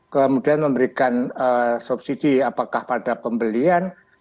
kemudian memberikan subsidi apakah pada pembelian